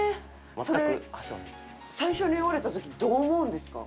それ最初に言われた時どう思うんですか？